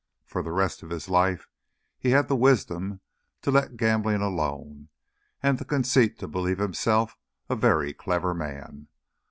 For the rest of his life he had the wisdom to let gambling alone, and the conceit to believe himself a very clever man.